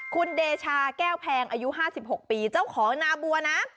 คุณเดชาแก้วแพงอายุ๕๖ปีเจ้าของนาบัวนะ